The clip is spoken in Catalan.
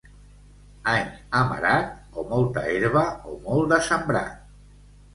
Any amarat, o molta herba o molt de sembrat.